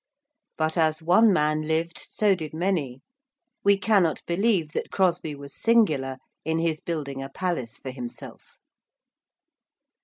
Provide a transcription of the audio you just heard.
But as one man lived so did many. We cannot believe that Crosby was singular in his building a palace for himself.